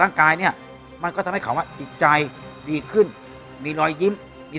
ร่างกายเนี่ยมันก็ทำให้เขาอ่ะจิตใจดีขึ้นมีรอยยิ้มมี